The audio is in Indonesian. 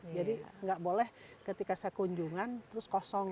jadi nggak boleh ketika saya kunjungan terus kosong